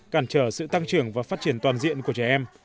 cản trở sự tăng trưởng và phát triển toàn diện của trẻ em